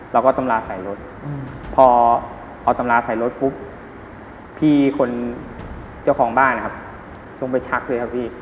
เราก็ตำราใส่รถพอตำราใส่รถปุ๊บพี่คนเจ้าของบ้านนะครับลงไปชักเลยครับพี่